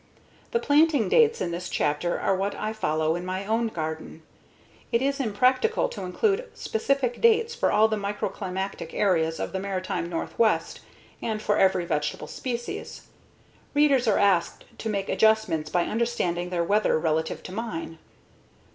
The planting dates in this chapter are what I follow in my own garden. It is impractical to include specific dates for all the microclimatic areas of the maritime Northwest and for every vegetable species. Readers are asked to make adjustments by understanding their weather relative to mine.